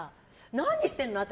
何してるの、私。